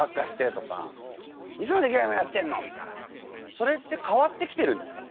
それって変わってきてるんですかね？